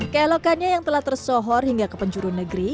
keelokannya yang telah tersohor hingga ke penjuru negeri